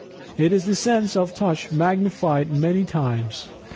It is the sense of Touch magnified many times.